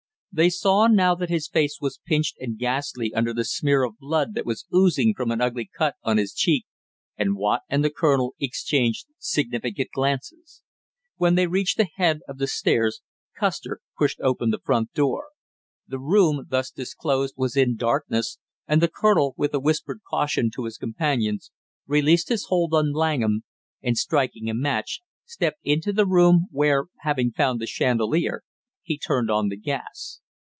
They saw now that his face was pinched and ghastly under the smear of blood that was oozing from an ugly cut on his cheek, and Watt and the colonel exchanged significant glances. When they reached the head of the stairs Custer pushed open the first door; the room thus disclosed was in darkness, and the colonel, with a whispered caution to his companions, released his hold on Langham, and striking a match, stepped into the room where, having found the chandelier, he turned on the gas.